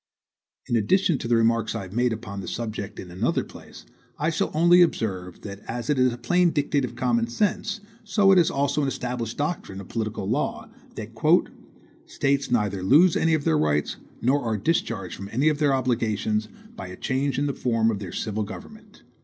In addition to the remarks I have made upon the subject in another place, I shall only observe that as it is a plain dictate of common sense, so it is also an established doctrine of political law, that "States neither lose any of their rights, nor are discharged from any of their obligations, by a change in the form of their civil government."